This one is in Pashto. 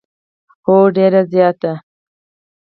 هو، ډیره زیاته